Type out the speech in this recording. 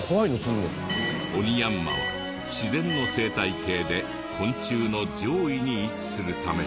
オニヤンマは自然の生態系で昆虫の上位に位置するため。